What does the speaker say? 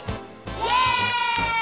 イエイ！